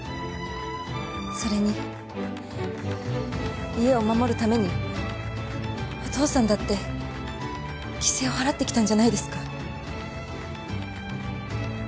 それに家を守るためにお父さんだって犠牲を払ってきたんじゃないですか？